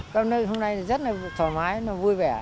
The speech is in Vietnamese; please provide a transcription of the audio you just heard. các nơi hôm nay rất là thoải mái nó vui vẻ